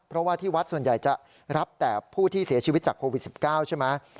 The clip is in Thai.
เพราะว่าที่วัดส่วนใหญ่จะรับแต่ผู้ที่เสียชีวิตจากโควิด๑๙ใช่ไหม